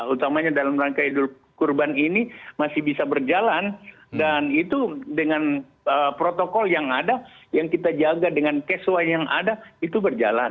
utamanya dalam rangka idul kurban ini masih bisa berjalan dan itu dengan protokol yang ada yang kita jaga dengan casual yang ada itu berjalan